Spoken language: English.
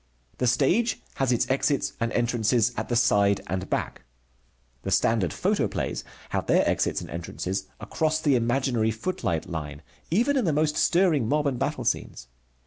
The stage has its exits and entrances at the side and back. The standard photoplays have their exits and entrances across the imaginary footlight line, even in the most stirring mob and battle scenes.